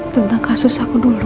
tentang kasus aku dulu